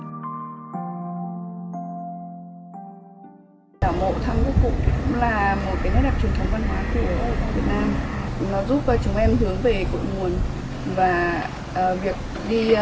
tàu mộ thăm của cụ là một nét đẹp truyền thống văn hóa của việt nam